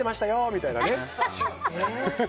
みたいなね。